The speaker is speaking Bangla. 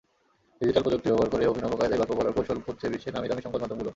ডিজিটাল প্রযুক্তি ব্যবহার করে অভিনব কায়দায় গল্প বলার কৌশল খুঁজছে বিশ্বের নামিদামি সংবাদমাধ্যমগুলো।